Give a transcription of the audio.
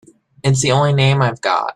It's the only name I've got.